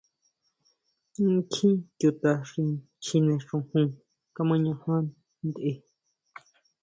Kjín chuta chjine xojon kamañaja ntʼe.